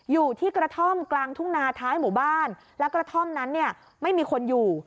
อยู่ที่กระท่อมกลางทุ่งนาท้ายหมู่บ้านแล้วกระท่อมนั้นเนี่ยไม่มีคนอยู่